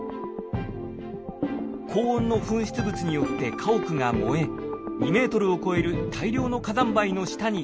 高温の噴出物によって家屋が燃え２ｍを超える大量の火山灰の下に埋まっていたのです。